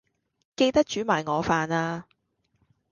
記得煮埋我飯呀